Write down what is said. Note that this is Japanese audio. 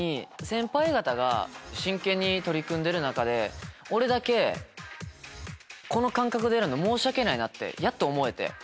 先輩方が真剣に取り組んでる中で俺だけこの感覚でやるの申し訳ないなってやっと思えて。